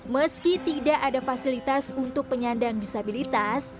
meski tidak ada fasilitas untuk penyandang disabilitas